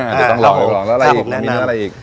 เดี๋ยวต้องลองแล้วอะไรอีกเนื้ออะไรอีก